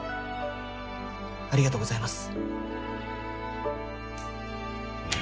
ありがとうございます。